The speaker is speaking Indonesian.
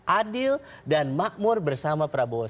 adil dan makmur bersama prabowo